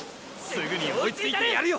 すぐに追いついてやるよ。